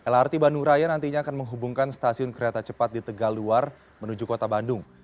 lrt bandung raya nantinya akan menghubungkan stasiun kereta cepat di tegaluar menuju kota bandung